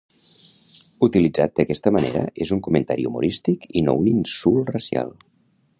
Utilitzat d'aquesta manera és un comentari humorístic i no un insult racial.